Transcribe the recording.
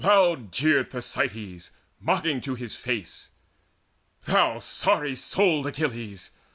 Loud jeered Thersites, mocking to his face: "Thou sorry souled Achilles!